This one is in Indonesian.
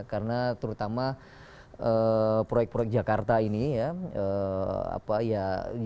karena terutama proyek proyek jakarta ini ya